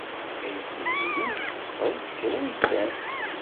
Aydi-inu yettett qrib krayellan.